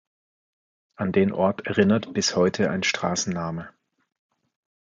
An den Ort erinnert bis heute ein Straßenname.